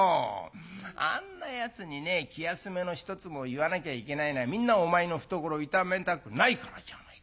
あんなやつにね気休めの一つも言わなきゃいけないのはみんなお前の懐を痛めたくないからじゃないか。